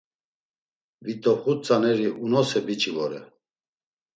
Vit̆oxut tzaneri unose biç̌i vore.